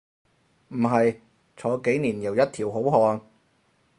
唔係，坐幾年又一條好漢